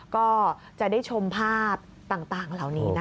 ก็จะได้ชมภาพต่างเหล่านี้นะคะ